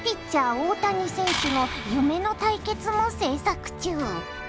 大谷選手の夢の対決も制作中！